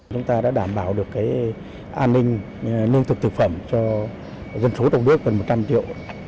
chúng ta đã đảm bảo được an ninh lương thực thực phẩm cho dân số độc đức gần một trăm linh triệu